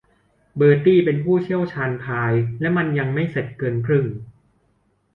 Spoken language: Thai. เบอร์ตี้เป็นผู้เชี่ยวชาญพายและมันยังไม่เสร็จเกินครึ่ง